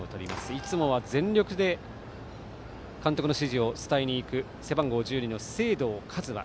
いつもは全力で監督の指示を伝えに行く背番号１２の清藤和真。